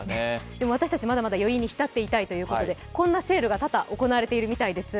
でも私たち、まだまだ余韻に浸っていたいということでこんなセールが多々行われているみたいです。